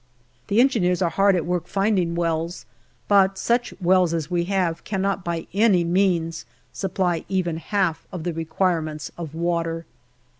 The Engineers are hard at work finding wells, but such wells as we have cannot by any means supply even half of the requirements of water.